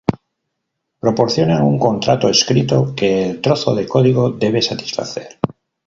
Proporcionan un contrato escrito que el trozo de código debe satisfacer.